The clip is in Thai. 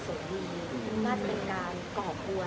ซึ่งวันนี้อะก็พูดด้วยเองตอนเช้าว่าในพื้นที่ของพระอัพธิบดีโรน